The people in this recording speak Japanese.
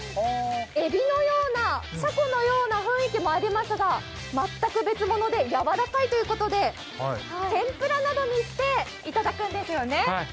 エビのような、シャコなような雰囲気もありますが、全く別物でやわらかいということで天ぷらなどにしていただくんですね。